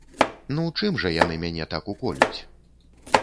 Ну чым жа яны мяне так уколюць?